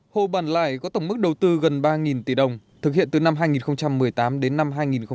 hồ bản lải có tổng mức đầu tư gần ba tỷ đồng thực hiện từ năm hai nghìn một mươi tám đến năm hai nghìn hai mươi một